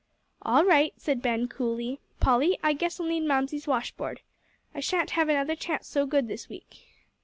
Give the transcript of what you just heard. "All right," said Ben, coolly. "Polly, I guess I'll mend Mamsie's washboard. I shan't have another chance so good this week."